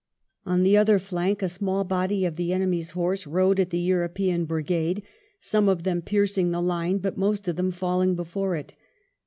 On the other flank, a small body of the enemy's horse rode at the European brigade, some of them piercing the line, but most of them falling before it.